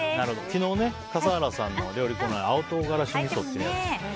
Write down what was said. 昨日、笠原さんの料理コーナーで青唐辛子みそっていうのね。